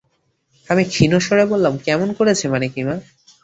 আমি ক্ষীণস্বরে বললাম, কেমন করছে মানে কী মা?